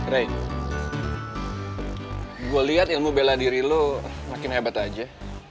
rey gue lihat ilmu bela diri lo makin hebat aja